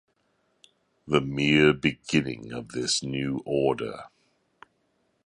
The mere beginning of this new order.